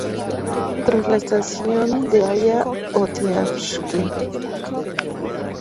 Tras la estación se halla Oktiabrski.